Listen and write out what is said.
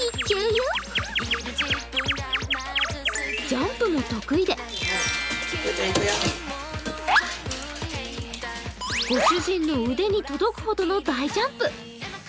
ジャンプも得意でご主人の腕に届くほどの大ジャンプ。